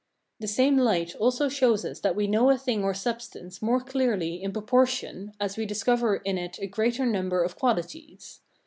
The same light also shows us that we know a thing or substance more clearly in proportion as we discover in it a greater number of qualities.